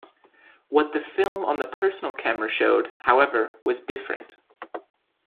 What the film on the personal camera showed, however, was different.